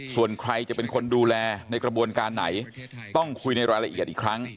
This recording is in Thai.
ส่วนใครจะเป็นคนดูแลในกระบวนการไหนต้องคุยในรายละเอียดอีกครั้ง